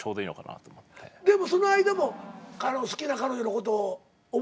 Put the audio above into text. でもその間も好きな彼女のことを思い出すでしょ？